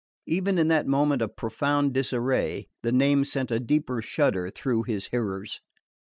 Even in that moment of profound disarray the name sent a deeper shudder through his hearers.